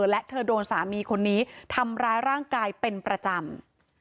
และเธอโดนสามีคนนี้ทำร้ายร่างกายเป็นประจำ